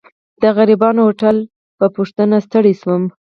د غریبانه هوټل په پوښتنه ستړی شوم.